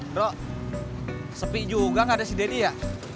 bro sepi juga enggak ada si deddy ya